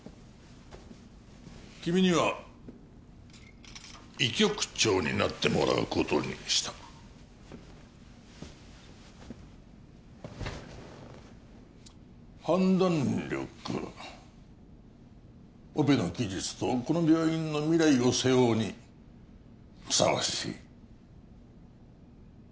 君には医局長になってもらうことにした判断力オペの技術とこの病院の未来を背負うにふさわしい